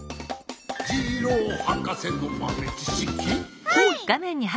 「ジローはかせのまめちしき」ホイ！